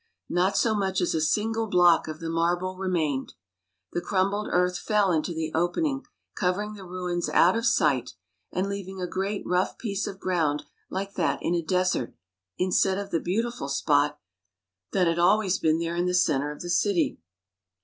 Not so much as a single block of the marble remained. The crumbled earth fell into the opening, covering the ruins out of sight, and leaving a great rough piece of ground like that in a desert, instead of the beautiful spot that had always been there in the center of the city.